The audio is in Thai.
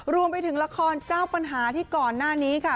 รวมไปถึงละครเจ้าปัญหาที่ก่อนหน้านี้ค่ะ